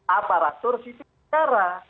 aparaturis itu secara